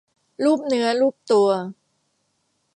ลูบเนื้อลูบตัว